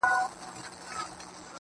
ته مي يو ځلي گلي ياد ته راوړه~